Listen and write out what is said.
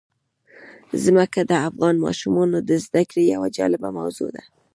ځمکه د افغان ماشومانو د زده کړې یوه جالبه موضوع ده.